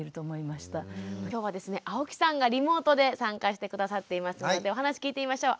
きょうはですね青木さんがリモートで参加して下さっていますのでお話聞いてみましょう。